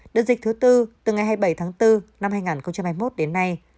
đợt dịch thứ tư từ ngày hai mươi bảy tháng bốn năm hai nghìn hai mươi một đến nay